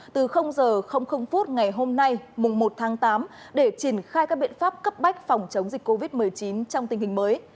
từ h ngày hôm nay mùng một tháng tám để triển khai các biện pháp cấp bách phòng chống dịch covid một mươi chín trong tình hình mới